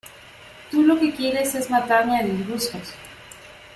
Tú lo que quieres es matarme a disgustos.